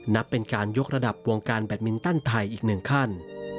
นับเป็นการยกระดับวงการแบตมินตันไทยอีกหนึ่งขั้น